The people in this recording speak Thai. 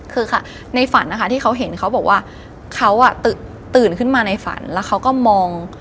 คือค่ะในฝันนะคะที่เขาเห็นเขาบอกว่าเขาอ่ะตื่นขึ้นมาในฝันแล้วเขาก็มอง